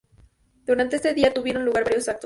Durante ese día tuvieron lugar varios actos.